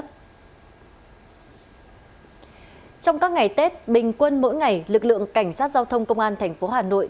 trong các ngày tết bình quân mỗi ngày lực lượng cảnh sát giao thông công an tp hà nội